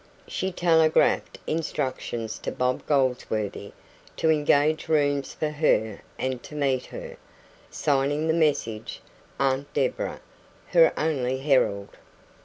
She telegraphed instructions to Bob Goldsworthy to engage rooms for her and to meet her, signing the message "Aunt Deborah" her only herald.